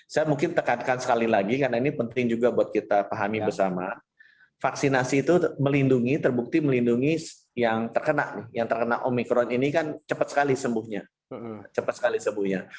saya mungkin tekankan sekali lagi karena ini penting juga buat kita pahami bersama vaksinasi itu melindungi terbukti melindungi yang terkena nih yang terkena omikron ini kan cepat sekali sembuhnya cepat sekali sembuhnya